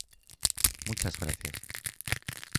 Muchas gracias.